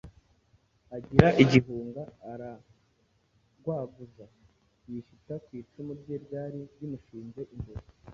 agira igihunga, aragwaguza, yishita ku icumu rye ryari rimushinze imbere,